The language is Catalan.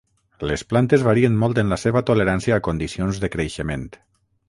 Les plantes varien molt en la seva tolerància a condicions de creixement.